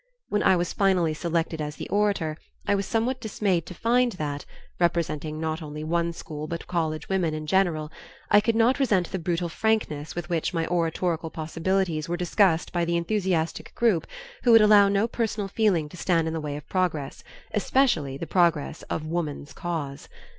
When I was finally selected as the orator, I was somewhat dismayed to find that, representing not only one school but college women in general, I could not resent the brutal frankness with which my oratorical possibilities were discussed by the enthusiastic group who would allow no personal feeling to stand in the way of progress, especially the progress of Woman's Cause.